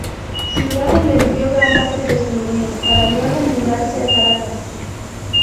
Ciudad, donde vivió gran parte de su niñez para luego mudarse a Caracas.